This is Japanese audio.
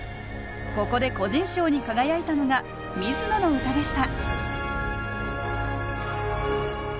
ここで個人賞に輝いたのが水野の歌でした。